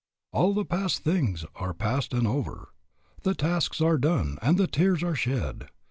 "All the past things are past and over, The tasks are done, and the tears are shed.